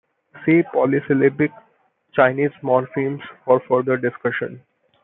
See polysyllabic Chinese morphemes for further discussion.